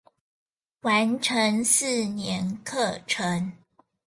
完成四年課程